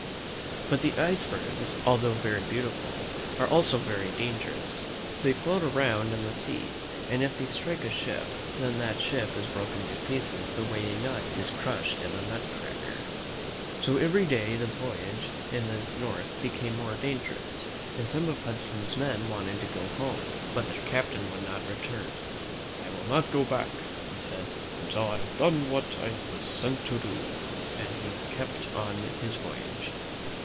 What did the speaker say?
But the icebergs, although very beautiful, are also very dangerous. They float around in the sea, and if they strike a ship, then that ship is broken to pieces the way a nut is crushed in a nut cracker. So every day the voyage in the north became more dangerous, and some of Hudson's men wanted to go home; but their ;^:^. i ^^■ w ♦ M 118 THE ENGLISHMAN WHO SAILED FOR THE DUTCH .•.''.■'' captain would not return. "I will not go back," he said, "until I have done what I was sent to do," and he kept on his voyage.